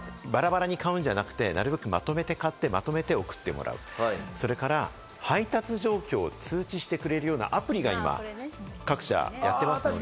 バラバラに買うんじゃなくて、なるべくまとめて買ってまとめて送ってもらう、それから配達状況を通知してくれるようなアプリが今、各社やってますので。